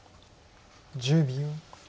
１０秒。